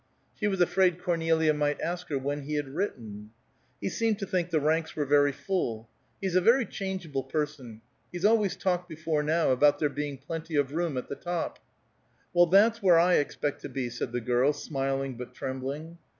She was afraid Cornelia might ask her when he had written. "He seemed to think the ranks were very full. He's a very changeable person. He's always talked, before now, about there being plenty of room at the top." "Well, that's where I expect to be," said the girl, smiling but trembling.